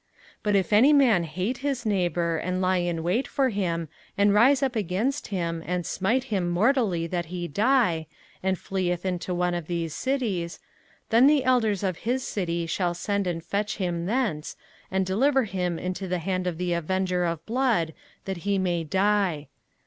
05:019:011 But if any man hate his neighbour, and lie in wait for him, and rise up against him, and smite him mortally that he die, and fleeth into one of these cities: 05:019:012 Then the elders of his city shall send and fetch him thence, and deliver him into the hand of the avenger of blood, that he may die.